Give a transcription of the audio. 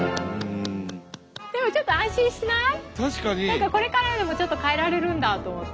何かこれからでもちょっと変えられるんだと思って。